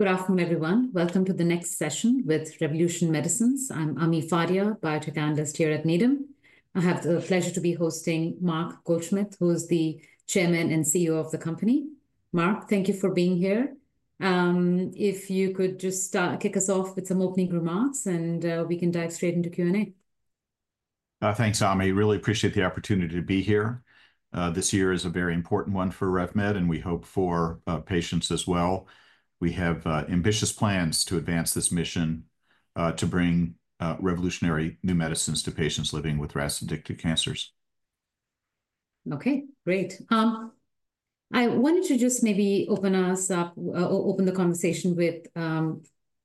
Good afternoon, everyone. Welcome to the next session with Revolution Medicines. I'm Ami Fadia, Biotech Analyst here at Needham & Company. I have the pleasure to be hosting Mark Goldsmith, who is the Chairman and CEO of the company. Mark, thank you for being here. If you could just kick us off with some opening remarks, and we can dive straight into Q&A. Thanks, Ami. Really appreciate the opportunity to be here. This year is a very important one for RevMed, and we hope for patients as well. We have ambitious plans to advance this mission to bring revolutionary new medicines to patients living with RAS-addicted cancers. Okay, great. I wanted to just maybe open us up, open the conversation with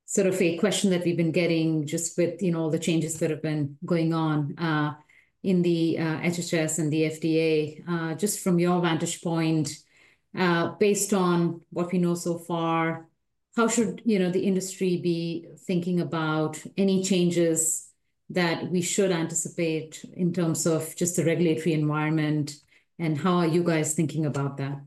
sort of a question that we've been getting just with, you know, all the changes that have been going on in the HHS and the FDA. Just from your vantage point, based on what we know so far, how should, you know, the industry be thinking about any changes that we should anticipate in terms of just the regulatory environment? How are you guys thinking about that?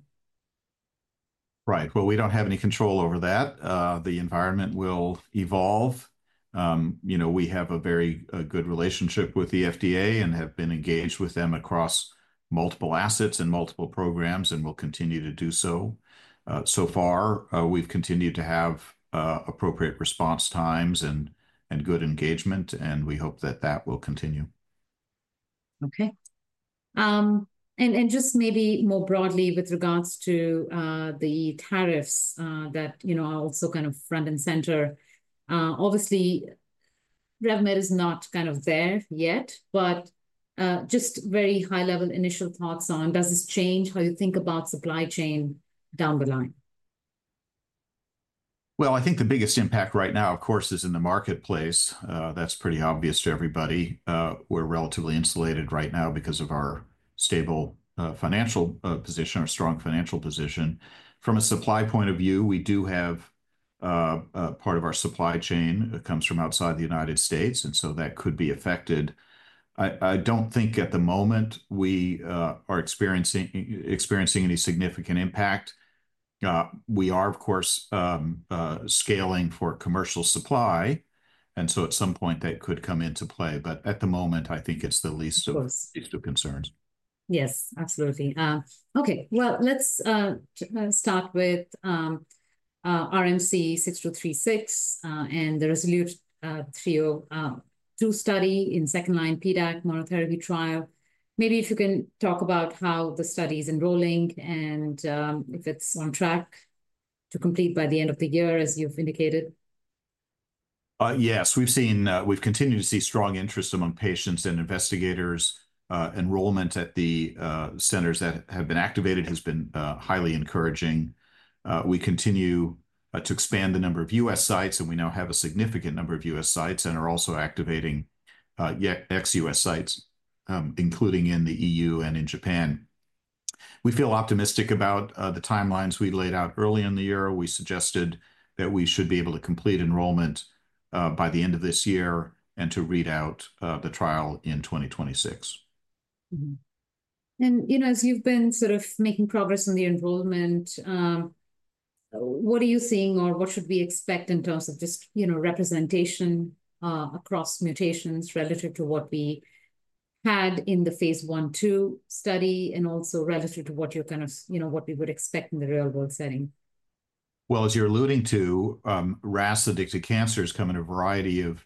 Right. We don't have any control over that. The environment will evolve. You know, we have a very good relationship with the FDA and have been engaged with them across multiple assets and multiple programs, and we'll continue to do so. So far, we've continued to have appropriate response times and good engagement, and we hope that that will continue. Okay. Just maybe more broadly with regards to the tariffs that, you know, are also kind of front and center. Obviously, RevMed is not kind of there yet, but just very high-level initial thoughts on, does this change how you think about supply chain down the line? I think the biggest impact right now, of course, is in the marketplace. That's pretty obvious to everybody. We're relatively insulated right now because of our stable financial position, our strong financial position. From a supply point of view, we do have part of our supply chain that comes from outside the United States, and so that could be affected. I don't think at the moment we are experiencing any significant impact. We are, of course, scaling for commercial supply, and at some point that could come into play. At the moment, I think it's the least of concerns. Yes, absolutely. Okay, let's start with RMC-6236 and the RASolute 302 study in second line PDAC monotherapy trial. Maybe if you can talk about how the study is enrolling and if it's on track to complete by the end of the year, as you've indicated. Yes, we've seen, we've continued to see strong interest among patients and investigators. Enrollment at the centers that have been activated has been highly encouraging. We continue to expand the number of U.S. sites, and we now have a significant number of U.S. sites and are also activating ex-U.S. sites, including in the EU and in Japan. We feel optimistic about the timelines we laid out early in the year. We suggested that we should be able to complete enrollment by the end of this year and to read out the trial in 2026. As you've been sort of making progress on the enrollment, what are you seeing or what should we expect in terms of just, you know, representation across mutations relative to what we had in the phase I/II study and also relative to what you're kind of, you know, what we would expect in the real-world setting? As you're alluding to, RAS-addicted cancers come in a variety of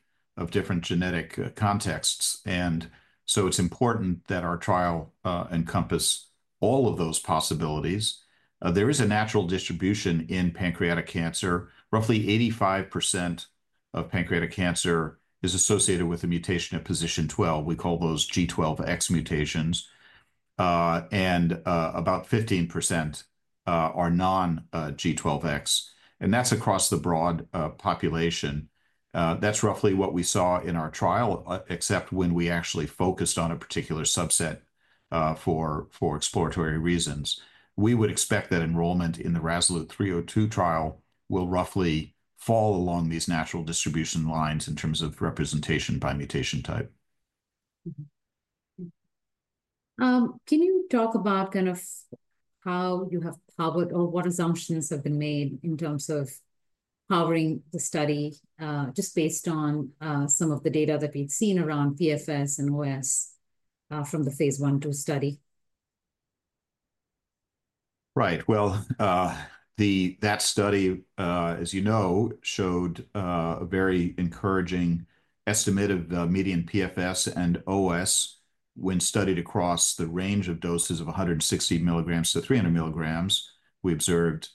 different genetic contexts, and so it's important that our trial encompass all of those possibilities. There is a natural distribution in pancreatic cancer. Roughly 85% of pancreatic cancer is associated with a mutation at position 12. We call those G12X mutations. About 15% are non-G12X. That's across the broad population. That's roughly what we saw in our trial, except when we actually focused on a particular subset for exploratory reasons. We would expect that enrollment in the RASolute 302 trial will roughly fall along these natural distribution lines in terms of representation by mutation type. Can you talk about kind of how you have powered or what assumptions have been made in terms of powering the study just based on some of the data that we've seen around PFS and OS from the phase I/II study? Right. That study, as you know, showed a very encouraging estimate of the median PFS and OS when studied across the range of doses of 160 milligrams to 300 milligrams. We observed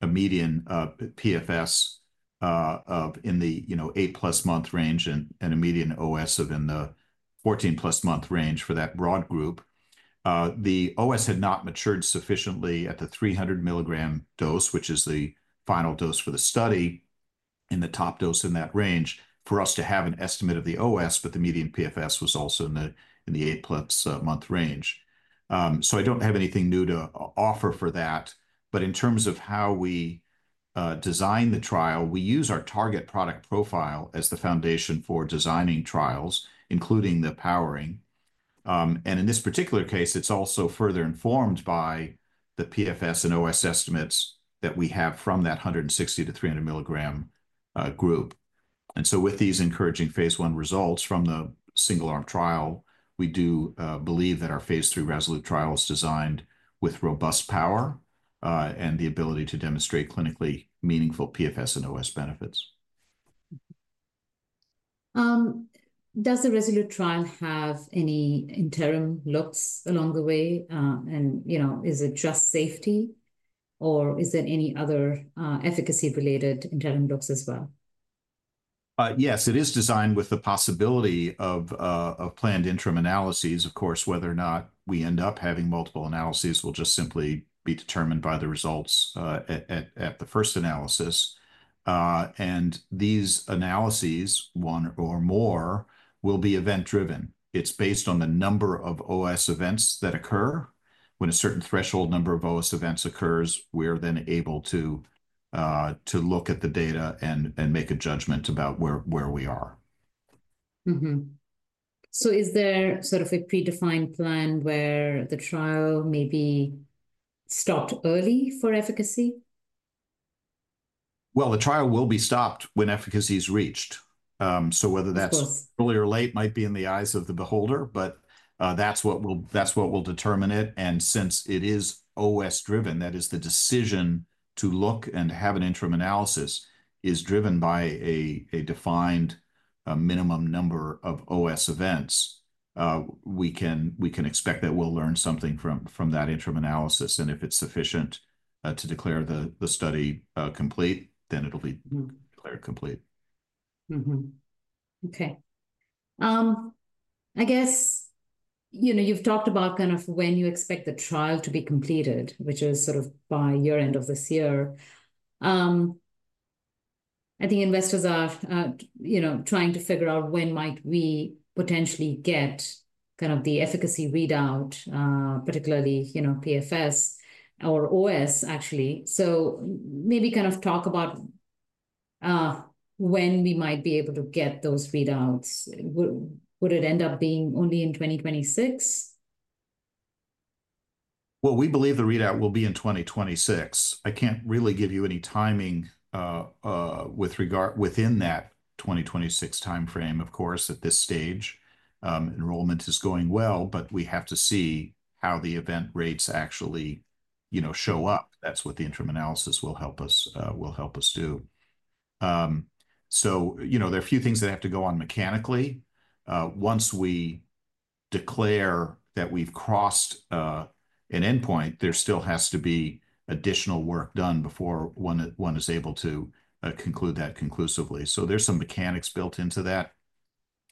a median PFS of in the, you know, eight-plus month range and a median OS of in the 14-plus month range for that broad group. The OS had not matured sufficiently at the 300 milligram dose, which is the final dose for the study, in the top dose in that range for us to have an estimate of the OS, but the median PFS was also in the eight-plus month range. I don't have anything new to offer for that. In terms of how we design the trial, we use our target product profile as the foundation for designing trials, including the powering. In this particular case, it's also further informed by the PFS and OS estimates that we have from that 160 milligram-300 milligram group. With these encouraging phase I results from the single-arm trial, we do believe that our phase III RASolute trial is designed with robust power and the ability to demonstrate clinically meaningful PFS and OS benefits. Does the RASolute trial have any interim looks along the way? You know, is it just safety, or is there any other efficacy-related interim looks as well? Yes, it is designed with the possibility of planned interim analyses. Of course, whether or not we end up having multiple analyses will just simply be determined by the results at the first analysis. These analyses, one or more, will be event-driven. It is based on the number of OS events that occur. When a certain threshold number of OS events occurs, we are then able to look at the data and make a judgment about where we are. Is there sort of a predefined plan where the trial may be stopped early for efficacy? The trial will be stopped when efficacy is reached. Whether that's early or late might be in the eyes of the beholder, but that's what will determine it. Since it is OS-driven, that is, the decision to look and have an interim analysis is driven by a defined minimum number of OS events, we can expect that we'll learn something from that interim analysis. If it's sufficient to declare the study complete, then it'll be declared complete. Okay. I guess, you know, you've talked about kind of when you expect the trial to be completed, which is sort of by your end of this year. I think investors are, you know, trying to figure out when might we potentially get kind of the efficacy readout, particularly, you know, PFS or OS, actually. Maybe kind of talk about when we might be able to get those readouts. Would it end up being only in 2026? We believe the readout will be in 2026. I can't really give you any timing within that 2026 timeframe, of course, at this stage. Enrollment is going well, but we have to see how the event rates actually, you know, show up. That's what the interim analysis will help us do. You know, there are a few things that have to go on mechanically. Once we declare that we've crossed an endpoint, there still has to be additional work done before one is able to conclude that conclusively. There are some mechanics built into that.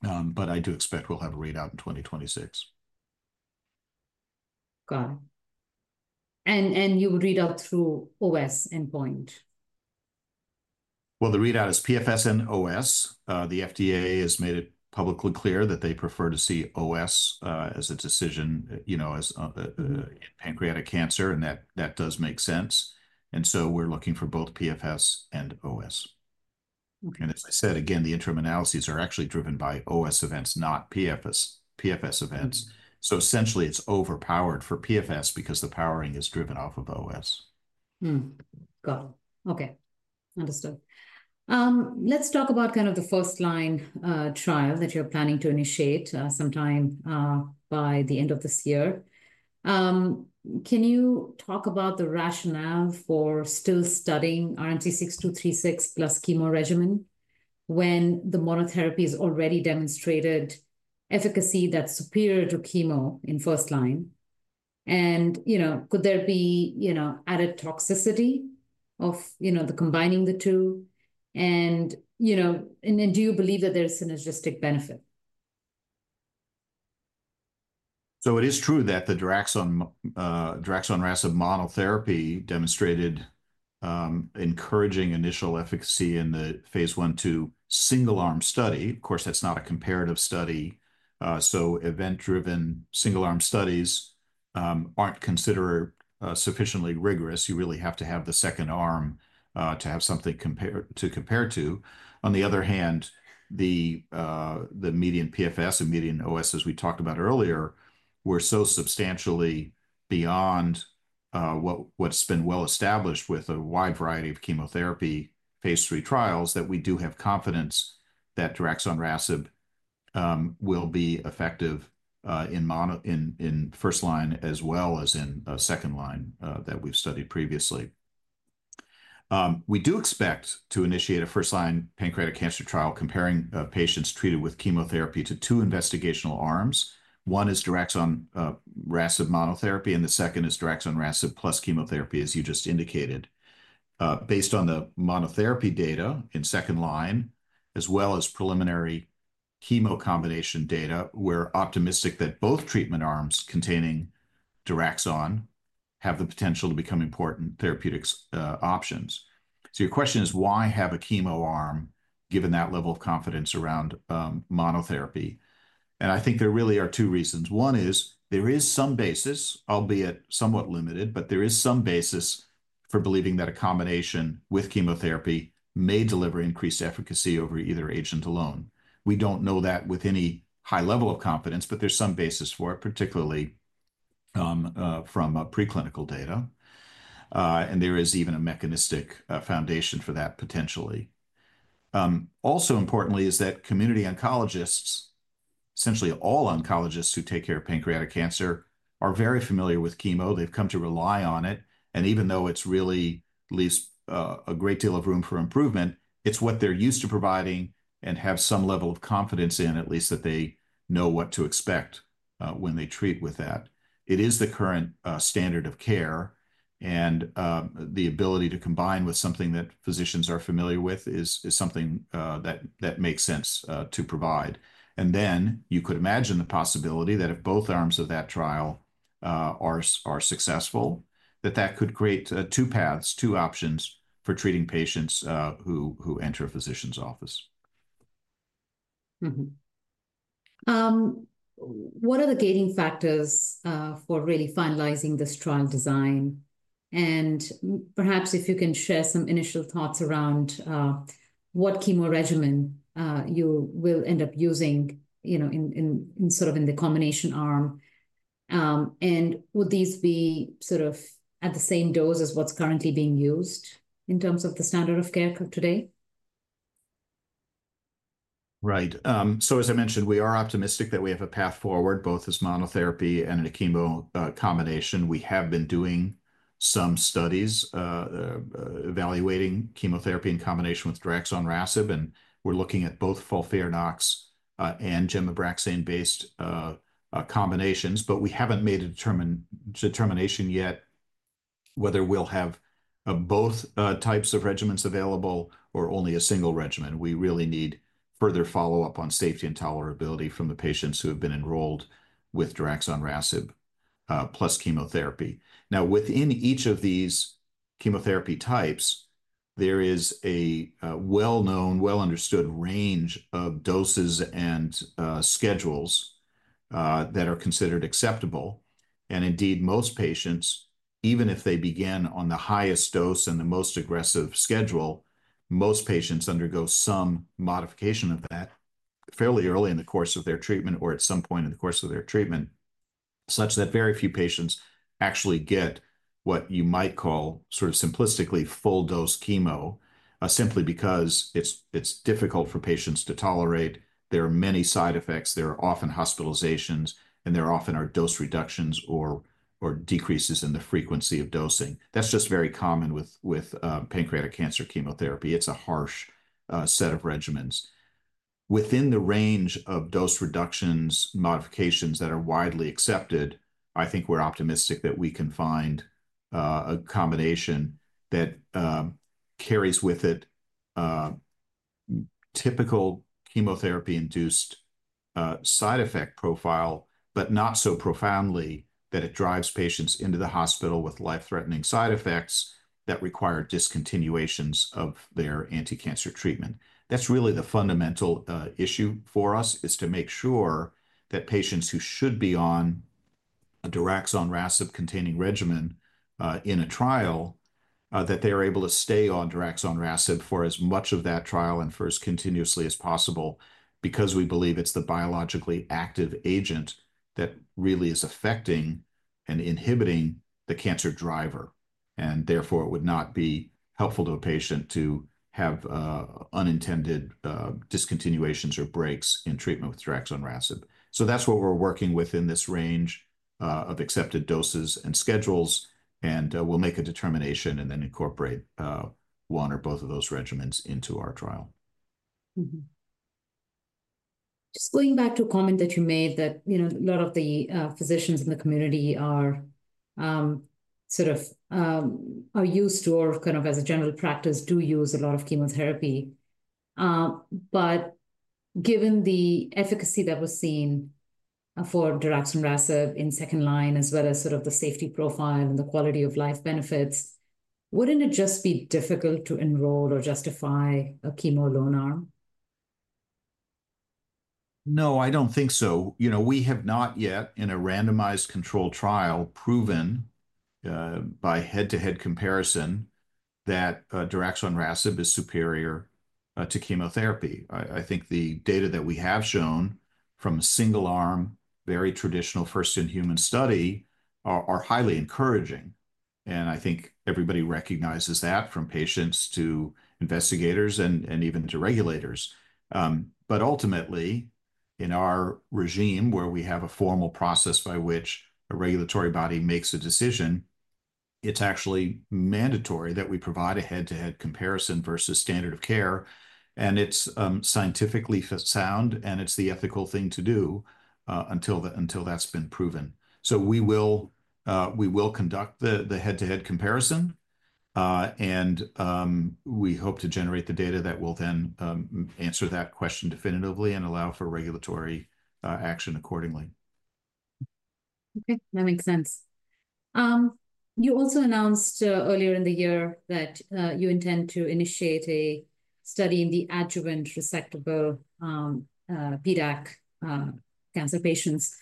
I do expect we'll have a readout in 2026. Got it. You would read out through OS endpoint? The readout is PFS and OS. The FDA has made it publicly clear that they prefer to see OS as a decision, you know, in pancreatic cancer, and that does make sense. And we are looking for both PFS and OS. As I said, again, the interim analyses are actually driven by OS events, not PFS events. Essentially, it is overpowered for PFS because the powering is driven off of OS. Got it. Okay. Understood. Let's talk about kind of the first line trial that you're planning to initiate sometime by the end of this year. Can you talk about the rationale for still studying RMC-6236 plus chemo regimen when the monotherapy has already demonstrated efficacy that's superior to chemo in first line? And, you know, could there be, you know, added toxicity of, you know, combining the two? And, you know, and do you believe that there's synergistic benefit? It is true that the daraxonrasib monotherapy demonstrated encouraging initial efficacy in the phase I/II single-arm study. Of course, that's not a comparative study. Event-driven single-arm studies aren't considered sufficiently rigorous. You really have to have the second arm to have something to compare to. On the other hand, the median PFS and median OS, as we talked about earlier, were so substantially beyond what's been well established with a wide variety of chemotherapy phase III trials that we do have confidence that daraxonrasib will be effective in first line as well as in second line that we've studied previously. We do expect to initiate a first line pancreatic cancer trial comparing patients treated with chemotherapy to two investigational arms. One is daraxonrasib monotherapy, and the second is daraxonrasib plus chemotherapy, as you just indicated. Based on the monotherapy data in second line, as well as preliminary chemo combination data, we're optimistic that both treatment arms containing daraxon have the potential to become important therapeutic options. Your question is, why have a chemo arm given that level of confidence around monotherapy? I think there really are two reasons. One is there is some basis, albeit somewhat limited, but there is some basis for believing that a combination with chemotherapy may deliver increased efficacy over either agent alone. We don't know that with any high level of confidence, but there's some basis for it, particularly from preclinical data. There is even a mechanistic foundation for that potentially. Also importantly is that community oncologists, essentially all oncologists who take care of pancreatic cancer, are very familiar with chemo. They've come to rely on it. Even though it really leaves a great deal of room for improvement, it's what they're used to providing and have some level of confidence in, at least that they know what to expect when they treat with that. It is the current standard of care, and the ability to combine with something that physicians are familiar with is something that makes sense to provide. You could imagine the possibility that if both arms of that trial are successful, that could create two paths, two options for treating patients who enter a physician's office. What are the gating factors for really finalizing this trial design? If you can share some initial thoughts around what chemo regimen you will end up using, you know, in sort of in the combination arm. Would these be sort of at the same dose as what's currently being used in terms of the standard of care today? Right. As I mentioned, we are optimistic that we have a path forward, both as monotherapy and in a chemo combination. We have been doing some studies evaluating chemotherapy in combination with daraxonrasib, and we're looking at both FOLFIRINOX and gem/Abraxane based combinations, but we haven't made a determination yet whether we'll have both types of regimens available or only a single regimen. We really need further follow-up on safety and tolerability from the patients who have been enrolled with daraxonrasib plus chemotherapy. Now, within each of these chemotherapy types, there is a well-known, well-understood range of doses and schedules that are considered acceptable. Most patients, even if they begin on the highest dose and the most aggressive schedule, most patients undergo some modification of that fairly early in the course of their treatment or at some point in the course of their treatment, such that very few patients actually get what you might call sort of simplistically full-dose chemo simply because it's difficult for patients to tolerate. There are many side effects. There are often hospitalizations, and there often are dose reductions or decreases in the frequency of dosing. That's just very common with pancreatic cancer chemotherapy. It's a harsh set of regimens. Within the range of dose reductions, modifications that are widely accepted, I think we're optimistic that we can find a combination that carries with it typical chemotherapy-induced side effect profile, but not so profoundly that it drives patients into the hospital with life-threatening side effects that require discontinuations of their anti-cancer treatment. That's really the fundamental issue for us, is to make sure that patients who should be on a daraxonrasib-containing regimen in a trial, that they are able to stay on daraxonrasib for as much of that trial and for as continuously as possible because we believe it's the biologically active agent that really is affecting and inhibiting the cancer driver. Therefore, it would not be helpful to a patient to have unintended discontinuations or breaks in treatment with daraxonrasib. That's what we're working with in this range of accepted doses and schedules. We will make a determination and then incorporate one or both of those regimens into our trial. Just going back to a comment that you made that, you know, a lot of the physicians in the community are sort of used to, or kind of as a general practice, do use a lot of chemotherapy. Given the efficacy that was seen for daraxonrasib in second line, as well as sort of the safety profile and the quality of life benefits, wouldn't it just be difficult to enroll or justify a chemo alone arm? No, I don't think so. You know, we have not yet in a randomized controlled trial proven by head-to-head comparison that daraxonrasib is superior to chemotherapy. I think the data that we have shown from a single arm, very traditional first-in-human study are highly encouraging. I think everybody recognizes that from patients to investigators and even to regulators. Ultimately, in our regime, where we have a formal process by which a regulatory body makes a decision, it's actually mandatory that we provide a head-to-head comparison versus standard of care. It's scientifically sound, and it's the ethical thing to do until that's been proven. We will conduct the head-to-head comparison, and we hope to generate the data that will then answer that question definitively and allow for regulatory action accordingly. Okay. That makes sense. You also announced earlier in the year that you intend to initiate a study in the adjuvant resectable PDAC cancer patients.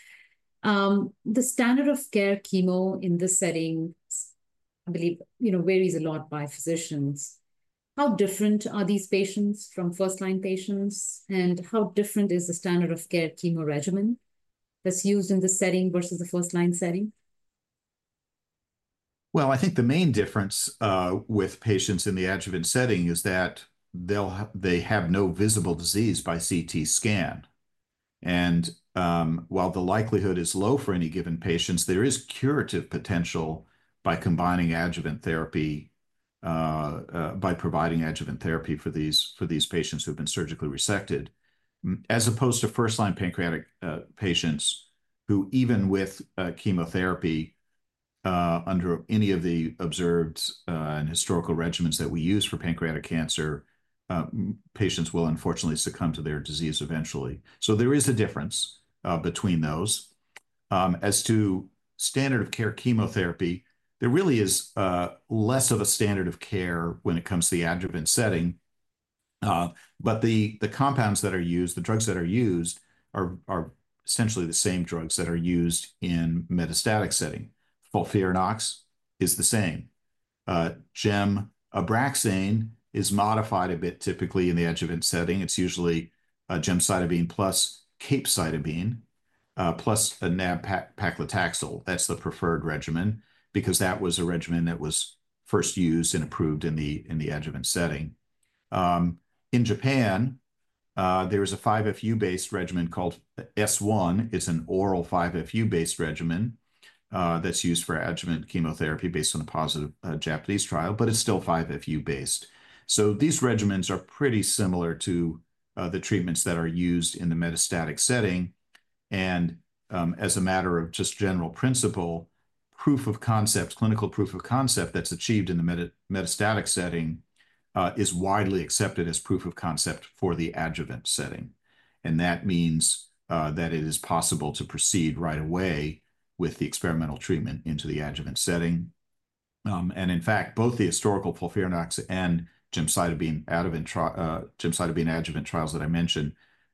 The standard of care chemo in this setting, I believe, you know, varies a lot by physicians. How different are these patients from first-line patients? How different is the standard of care chemo regimen that's used in this setting versus the first-line setting? I think the main difference with patients in the adjuvant setting is that they have no visible disease by CT scan. While the likelihood is low for any given patients, there is curative potential by combining adjuvant therapy, by providing adjuvant therapy for these patients who have been surgically resected, as opposed to first-line pancreatic patients who, even with chemotherapy under any of the observed and historical regimens that we use for pancreatic cancer, patients will unfortunately succumb to their disease eventually. There is a difference between those. As to standard of care chemotherapy, there really is less of a standard of care when it comes to the adjuvant setting. The compounds that are used, the drugs that are used, are essentially the same drugs that are used in metastatic setting. FOLFIRINOX is the same. gem/Abraxane is modified a bit typically in the adjuvant setting. It's usually gemcitabine + capecitabine + nab-paclitaxel. That's the preferred regimen because that was a regimen that was first used and approved in the adjuvant setting. In Japan, there is a 5-FU-based regimen called S-1. It's an oral 5-FU-based regimen that's used for adjuvant chemotherapy based on a positive Japanese trial, but it's still 5-FU-based. These regimens are pretty similar to the treatments that are used in the metastatic setting. As a matter of just general principle, proof of concept, clinical proof of concept that's achieved in the metastatic setting is widely accepted as proof of concept for the adjuvant setting. That means that it is possible to proceed right away with the experimental treatment into the adjuvant setting. In fact, both the historical FOLFIRINOX and gemcitabine adjuvant trials that I mentioned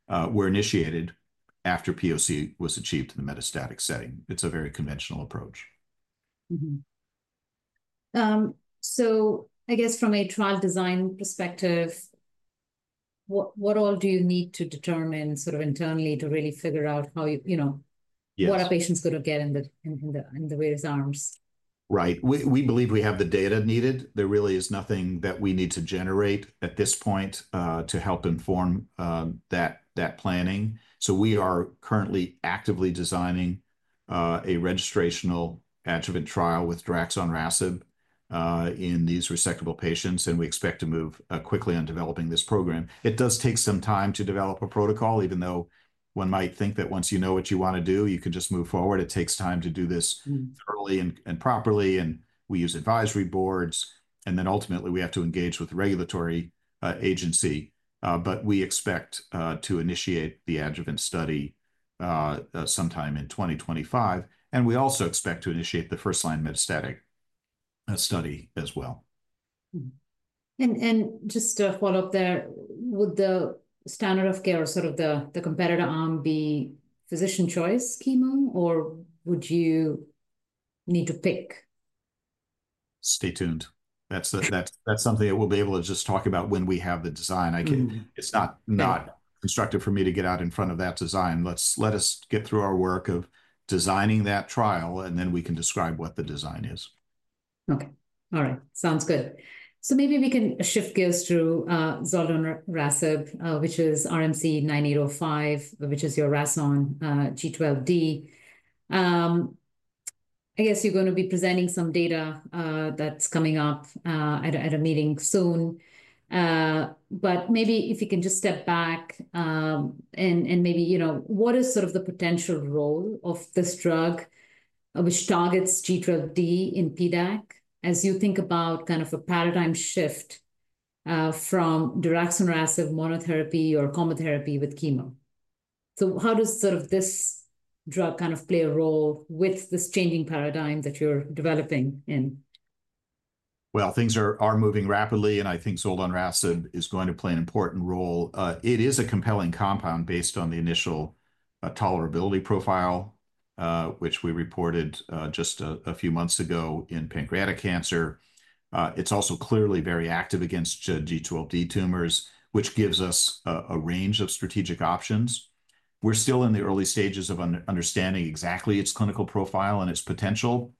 were initiated after proof of concept was achieved in the metastatic setting. It's a very conventional approach. I guess from a trial design perspective, what all do you need to determine sort of internally to really figure out how, you know, what are patients going to get in the various arms? Right. We believe we have the data needed. There really is nothing that we need to generate at this point to help inform that planning. We are currently actively designing a registrational adjuvant trial with daraxonrasib in these resectable patients, and we expect to move quickly on developing this program. It does take some time to develop a protocol, even though one might think that once you know what you want to do, you can just move forward. It takes time to do this thoroughly and properly, and we use advisory boards. Ultimately, we have to engage with the regulatory agency. We expect to initiate the adjuvant study sometime in 2025. We also expect to initiate the first line metastatic study as well. Just to follow up there, would the standard of care or sort of the competitor arm be physician choice chemo, or would you need to pick? Stay tuned. That is something that we will be able to just talk about when we have the design. It is not constructive for me to get out in front of that design. Let us get through our work of designing that trial, and then we can describe what the design is. Okay. All right. Sounds good. Maybe we can shift gears through zoldonrasib, which is RMC-9805, which is your RAS(ON) G12D. I guess you're going to be presenting some data that's coming up at a meeting soon. Maybe if you can just step back and maybe, you know, what is sort of the potential role of this drug which targets G12D in PDAC as you think about kind of a paradigm shift from daraxonrasib monotherapy or combo therapy with chemo? How does sort of this drug kind of play a role with this changing paradigm that you're developing in? Things are moving rapidly, and I think zoldonrasib is going to play an important role. It is a compelling compound based on the initial tolerability profile, which we reported just a few months ago in pancreatic cancer. It's also clearly very active against G12D tumors, which gives us a range of strategic options. We're still in the early stages of understanding exactly its clinical profile and its potential.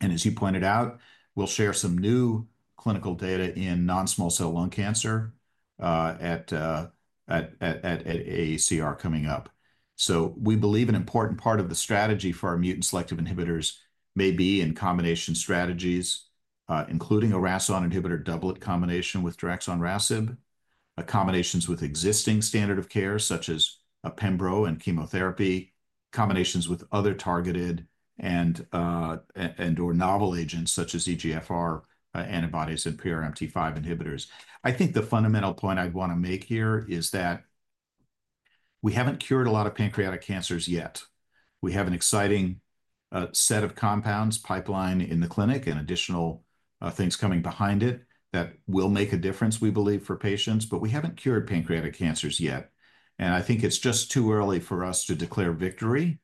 As you pointed out, we'll share some new clinical data in non-small cell lung cancer at AACR coming up. We believe an important part of the strategy for our mutant selective inhibitors may be in combination strategies, including a RAS(ON) inhibitor doublet combination with daraxonrasib, combinations with existing standard of care such as pembrolizumab and chemotherapy, combinations with other targeted and/or novel agents such as EGFR antibodies and PRMT5 inhibitors. I think the fundamental point I'd want to make here is that we haven't cured a lot of pancreatic cancers yet. We have an exciting set of compounds pipeline in the clinic and additional things coming behind it that will make a difference, we believe, for patients, but we haven't cured pancreatic cancers yet. I think it's just too early for us to declare victory.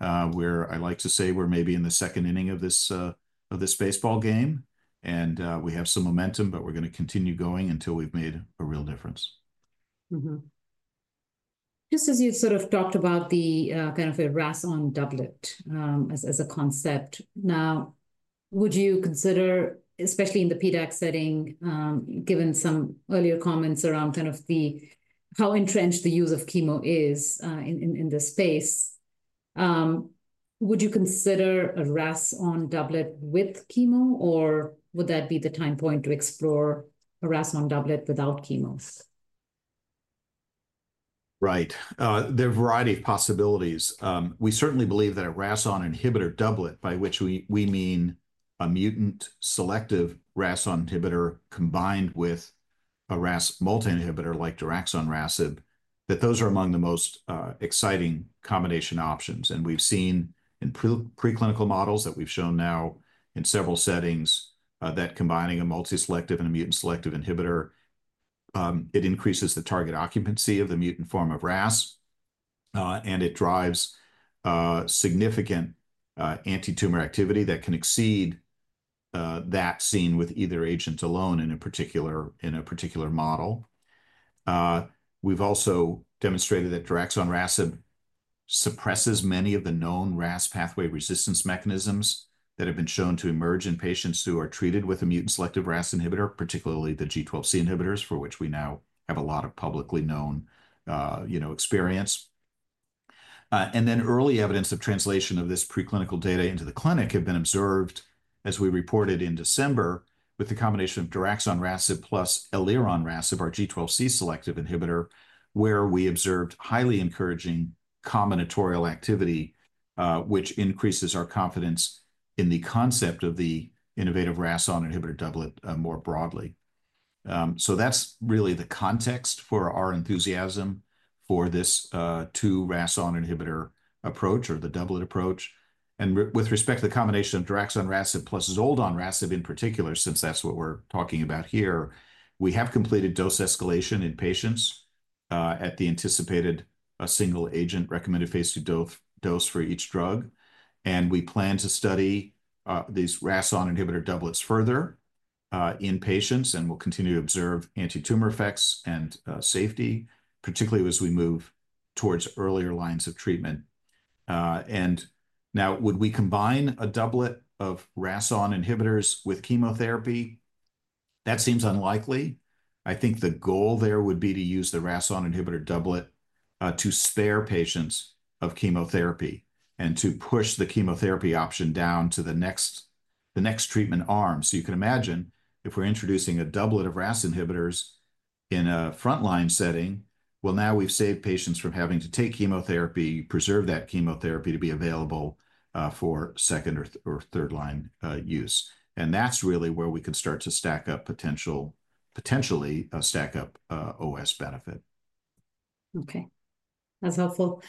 I like to say we're maybe in the second inning of this baseball game, and we have some momentum, but we're going to continue going until we've made a real difference. Just as you sort of talked about the kind of a RAS(ON) doublet as a concept, now, would you consider, especially in the PDAC setting, given some earlier comments around kind of how entrenched the use of chemo is in this space, would you consider a RAS(ON) doublet with chemo, or would that be the time point to explore a RAS(ON) doublet without chemo? Right. There are a variety of possibilities. We certainly believe that a RAS(ON) inhibitor doublet, by which we mean a mutant selective RAS(ON) inhibitor combined with a RAS multi-inhibitor like daraxonrasib, that those are among the most exciting combination options. We have seen in preclinical models that we have shown now in several settings that combining a multiselective and a mutant selective inhibitor, it increases the target occupancy of the mutant form of RAS, and it drives significant anti-tumor activity that can exceed that seen with either agent alone in a particular model. We have also demonstrated that daraxonrasib suppresses many of the known RAS pathway resistance mechanisms that have been shown to emerge in patients who are treated with a mutant selective RAS inhibitor, particularly the G12C inhibitors, for which we now have a lot of publicly known, you know, experience. Early evidence of translation of this preclinical data into the clinic had been observed, as we reported in December, with the combination of daraxonrasib plus elironrasib, our G12C selective inhibitor, where we observed highly encouraging combinatorial activity, which increases our confidence in the concept of the innovative RAS(ON) inhibitor doublet more broadly. That is really the context for our enthusiasm for this two RAS(ON) inhibitor approach or the doublet approach. With respect to the combination of daraxonrasib plus zoldonrasib in particular, since that is what we are talking about here, we have completed dose escalation in patients at the anticipated single agent recommended phase II dose for each drug. We plan to study these RAS(ON) inhibitor doublets further in patients, and we will continue to observe anti-tumor effects and safety, particularly as we move towards earlier lines of treatment. Would we combine a doublet of RAS(ON) inhibitors with chemotherapy? That seems unlikely. I think the goal there would be to use the RAS(ON) inhibitor doublet to spare patients of chemotherapy and to push the chemotherapy option down to the next treatment arm. You can imagine if we're introducing a doublet of RAS inhibitors in a front-line setting, now we've saved patients from having to take chemotherapy, preserve that chemotherapy to be available for second or third-line use. That's really where we could start to stack up potentially a stack-up OS benefit. Okay. That's helpful.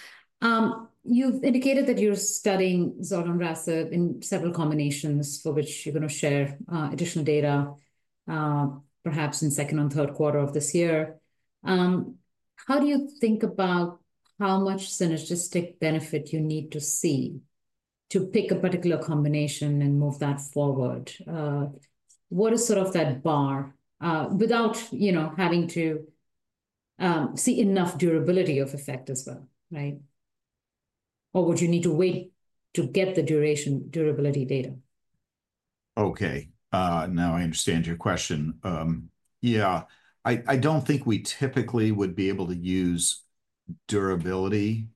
You've indicated that you're studying zoldonrasib in several combinations for which you're going to share additional data, perhaps in second and third quarter of this year. How do you think about how much synergistic benefit you need to see to pick a particular combination and move that forward? What is sort of that bar without, you know, having to see enough durability of effect as well, right? Or would you need to wait to get the durability data? Okay. Now I understand your question. Yeah. I do not think we typically would be able to use durability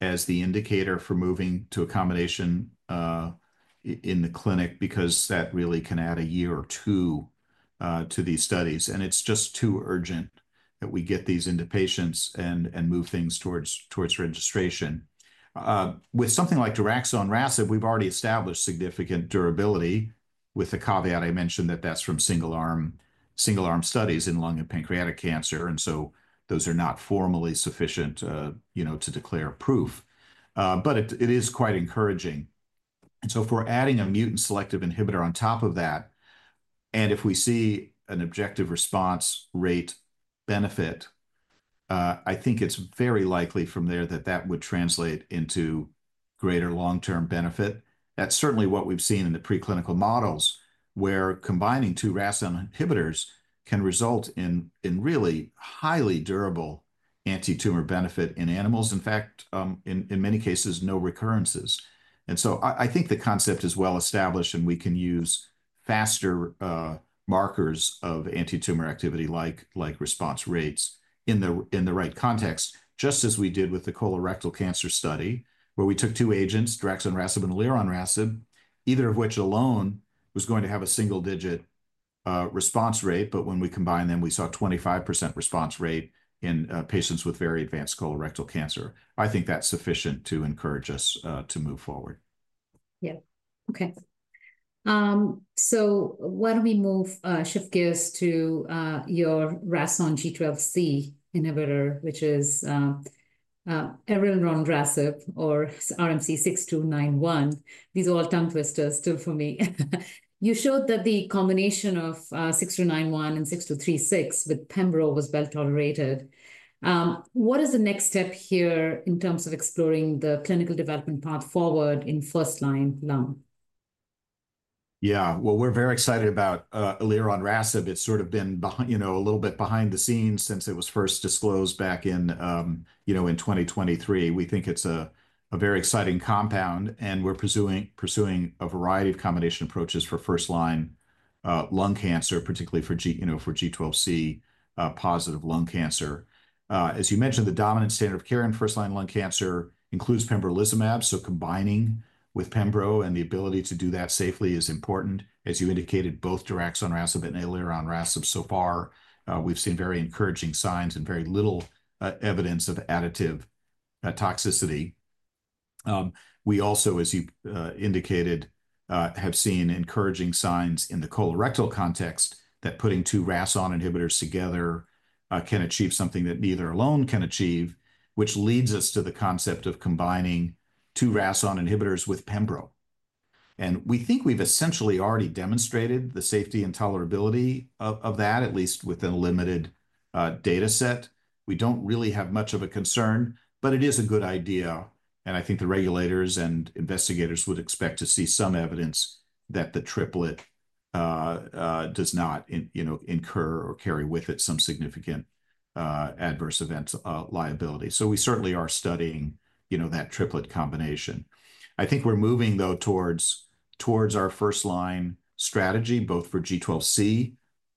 as the indicator for moving to a combination in the clinic because that really can add a year or two to these studies. It is just too urgent that we get these into patients and move things towards registration. With something like daraxonrasib, we have already established significant durability with the caveat I mentioned that that is from single-arm studies in lung and pancreatic cancer. Those are not formally sufficient, you know, to declare proof. It is quite encouraging. If we are adding a mutant selective inhibitor on top of that, and if we see an objective response rate benefit, I think it is very likely from there that that would translate into greater long-term benefit. That's certainly what we've seen in the preclinical models where combining two RAS(ON) inhibitors can result in really highly durable anti-tumor benefit in animals. In fact, in many cases, no recurrences. I think the concept is well established, and we can use faster markers of anti-tumor activity like response rates in the right context, just as we did with the colorectal cancer study where we took two agents, daraxonrasib and elironrasib, either of which alone was going to have a single-digit response rate. When we combine them, we saw a 25% response rate in patients with very advanced colorectal cancer. I think that's sufficient to encourage us to move forward. Yeah. Okay. Why don't we shift gears to your RAS(ON) G12C inhibitor, which is elironrasib or RMC-6291. These are all tongue twisters still for me. You showed that the combination of 6291 and 6236 with pembro was well tolerated. What is the next step here in terms of exploring the clinical development path forward in first line lung? Yeah. We are very excited about elironrasib. It's sort of been, you know, a little bit behind the scenes since it was first disclosed back in, you know, in 2023. We think it's a very exciting compound, and we're pursuing a variety of combination approaches for first line lung cancer, particularly for, you know, for G12C positive lung cancer. As you mentioned, the dominant standard of care in first line lung cancer includes pembrolizumab. Combining with pembro and the ability to do that safely is important. As you indicated, both daraxonrasib and elironrasib so far, we've seen very encouraging signs and very little evidence of additive toxicity. We also, as you indicated, have seen encouraging signs in the colorectal context that putting two RAS(ON) inhibitors together can achieve something that neither alone can achieve, which leads us to the concept of combining two RAS(ON) inhibitors with pembro. We think we've essentially already demonstrated the safety and tolerability of that, at least with a limited data set. We don't really have much of a concern, but it is a good idea. I think the regulators and investigators would expect to see some evidence that the triplet does not, you know, incur or carry with it some significant adverse event liability. We certainly are studying, you know, that triplet combination. I think we're moving, though, towards our first line strategy, both for G12C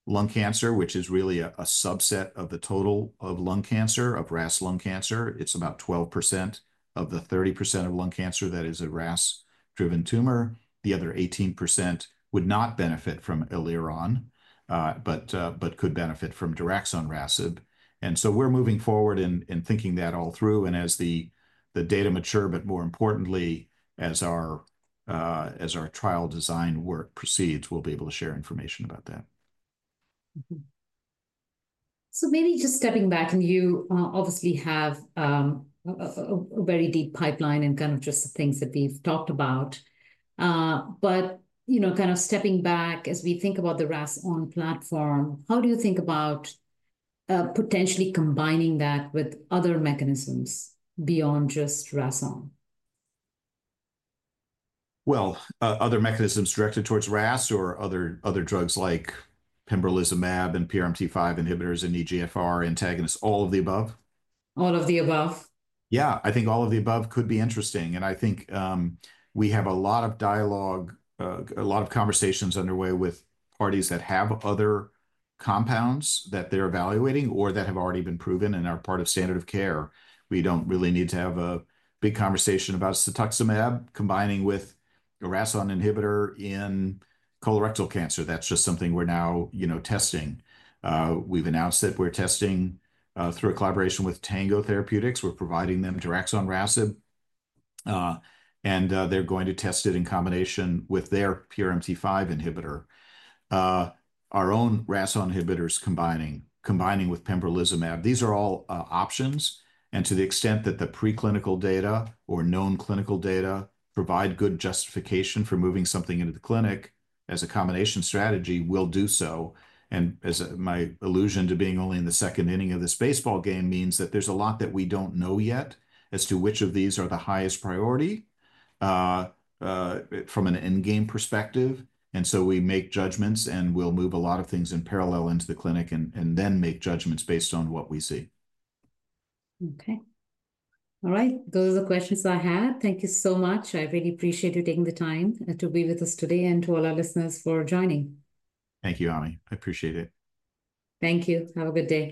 lung cancer, which is really a subset of the total of lung cancer, of RAS lung cancer. It's about 12% of the 30% of lung cancer that is a RAS-driven tumor. The other 18% would not benefit from eliron, but could benefit from daraxonrasib. We are moving forward in thinking that all through. As the data mature, but more importantly, as our trial design work proceeds, we will be able to share information about that. Maybe just stepping back, and you obviously have a very deep pipeline and kind of just the things that we've talked about. But, you know, kind of stepping back, as we think about the RAS on platform, how do you think about potentially combining that with other mechanisms beyond just RAS on? Other mechanisms directed towards RAS or other drugs like pembrolizumab and PRMT5 inhibitors and EGFR antagonists, all of the above? All of the above. Yeah. I think all of the above could be interesting. I think we have a lot of dialogue, a lot of conversations underway with parties that have other compounds that they're evaluating or that have already been proven and are part of standard of care. We don't really need to have a big conversation about cetuximab combining with a RAS(ON) inhibitor in colorectal cancer. That's just something we're now, you know, testing. We've announced that we're testing through a collaboration with Tango Therapeutics. We're providing them daraxonrasib, and they're going to test it in combination with their PRMT5 inhibitor. Our own RAS(ON) inhibitors combining with pembrolizumab. These are all options. To the extent that the preclinical data or known clinical data provide good justification for moving something into the clinic as a combination strategy, we'll do so. My allusion to being only in the second inning of this baseball game means that there's a lot that we don't know yet as to which of these are the highest priority from an end game perspective. We make judgments and we'll move a lot of things in parallel into the clinic and then make judgments based on what we see. Okay. All right. Those are the questions I had. Thank you so much. I really appreciate you taking the time to be with us today and to all our listeners for joining. Thank you, Ami. I appreciate it. Thank you. Have a good day.